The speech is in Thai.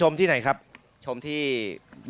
เฮ่น้องช้างแต่ละเชือกเนี่ย